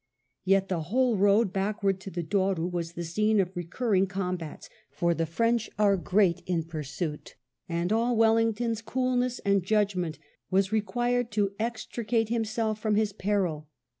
Yet the whole road backward to the Douro was the scene of recurring com bats, for the French are great in pursuit, and all Wellington's coolness and judgment was required to extricate himself from his peril.